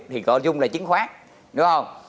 thì gọi chung là chứng khoán đúng không